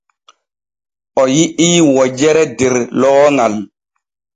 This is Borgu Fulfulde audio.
O yi’i wojere der looŋal.